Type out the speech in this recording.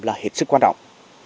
là hiệp sức quan trọng